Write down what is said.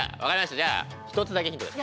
じゃあ１つだけヒント出します。